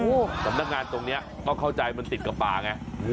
งูเห่าสำนักงานตรงนี้ก็เข้าใจมันติดกับปลาไง